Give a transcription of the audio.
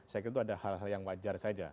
saya kira itu ada hal hal yang wajar saja